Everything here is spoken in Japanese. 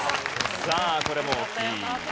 さあこれも大きい。